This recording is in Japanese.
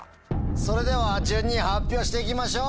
それでは順に発表していきましょう。